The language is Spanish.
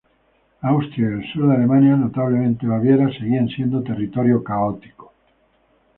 Austria y el sur de Alemania, notablemente Baviera, seguían siendo territorio católico.